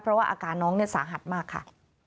เพราะว่าอาการน้องสาหัสมากค่ะ